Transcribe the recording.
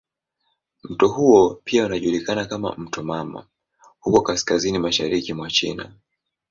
Mto huo pia unajulikana kama "mto mama" huko kaskazini mashariki mwa China.